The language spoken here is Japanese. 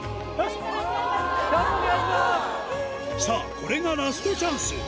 さぁこれがラストチャンス